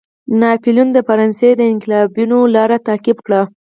ناپلیون د فرانسې د انقلابینو لار تعقیب کړه.